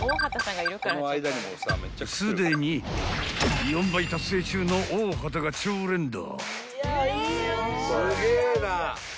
［すでに４倍達成中の大畑が超連打］